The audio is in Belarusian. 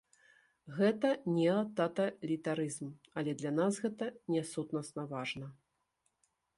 Гэта неататалітарызм, але для нас гэта не сутнасна важна.